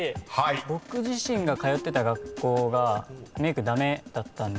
僕自身が通ってた学校がメイク駄目だったんで。